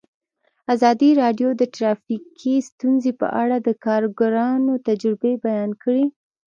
ازادي راډیو د ټرافیکي ستونزې په اړه د کارګرانو تجربې بیان کړي.